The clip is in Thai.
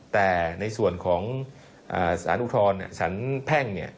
แต่ในส่วนของสารอุทธรณ์สารแพ่ง